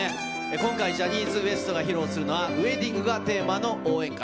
今回、ジャニーズＷＥＳＴが披露するのは、ウエディングがテーマの応援歌。